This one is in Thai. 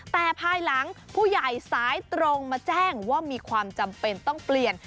แต่ภายหลังผู้ใหญ่สายตรงมาแจ้งว่ามีความจำเป็นต้องเปลี่ยน